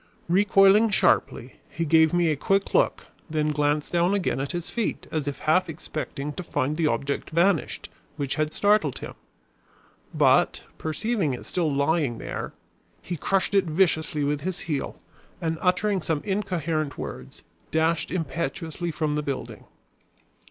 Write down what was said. Recoiling sharply, he gave me a quick look, then glanced down again at his feet as if half expecting to find the object vanished which had startled him. But, perceiving it still lying there, he crushed it viciously with his heel, and uttering some incoherent words, dashed impetuously from the building.